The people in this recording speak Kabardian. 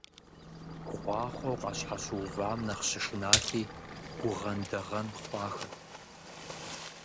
Гъуахъуэу къащхьэщыувам нэхъ щышынати, гугъэндэгъэн хъуахэт.